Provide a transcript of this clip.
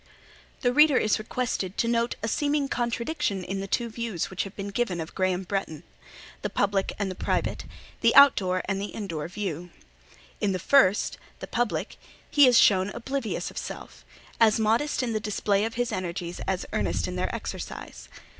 The reader is requested to note a seeming contradiction in the two views which have been given of Graham Bretton—the public and private—the out door and the in door view. In the first, the public, he is shown oblivious of self; as modest in the display of his energies, as earnest in their exercise.